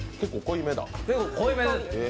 結構濃いめです。